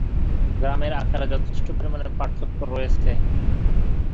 গ্রামের আকারে যথেষ্ট পরিমাণে পার্থক্য রয়েছে।